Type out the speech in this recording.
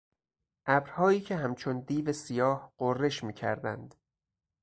ابرهایی که همچون دیو سیاه غرش میکردند